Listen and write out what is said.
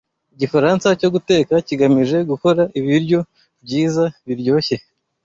Igifaransa cyo guteka kigamije gukora ibiryo byiza, biryoshye.